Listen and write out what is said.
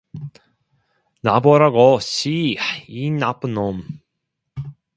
놔 보라고, 씨, 이 나쁜 놈!